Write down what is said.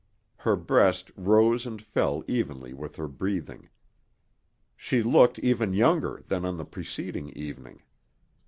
Her breast rose and fell evenly with her breathing. She looked even younger than on the preceding evening.